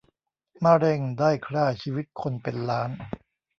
มะเร็งได้คร่าชีวิตคนเป็นล้าน